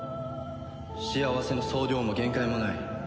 幸せの総量も限界もない。